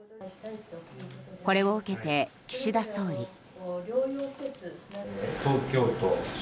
これを受けて、岸田総理。